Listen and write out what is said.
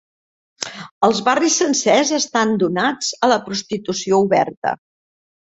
Els barris sencers estan donats a la prostitució oberta.